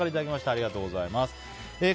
ありがとうございます。